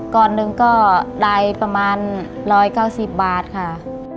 ก่อนหนึ่งก็ได้ประมาณ๑๙๐บาทค่ะ